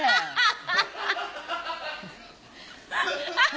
ハハハハッ！